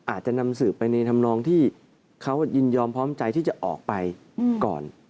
อาจจะนำสืบไปในธรรมนองที่เขายินยอมพร้อมใจที่จะออกไปก่อน